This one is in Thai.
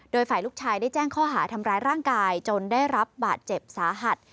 โดยฝ่ายลูกชายได้แจ้งข้อหาทำร้ายร่างกายจนได้รับบาดเจ็บสาหัส